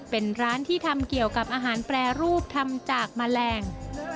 เป็นร้านที่ทำเกี่ยวกับอาหารแปรรูปทำจากแมลง